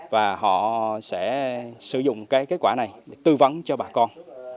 và họ sẽ sử dụng cái kết quả này để tư vấn cho bà con